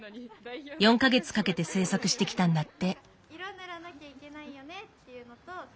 ４か月かけて制作してきたんだって。